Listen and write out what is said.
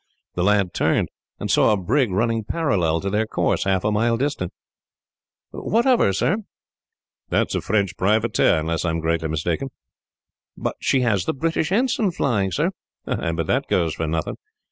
The lad turned, and saw a brig running parallel to their course, half a mile distant. "What of her, sir?" "That is a French privateer, unless I am greatly mistaken." "But she has the British ensign flying, sir." "Ay, but that goes for nothing.